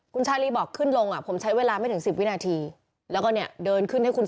คุณชายลีบอกขึ้นลงอ่ะผมใช้เวลาไม่ถึง๑๐วินาที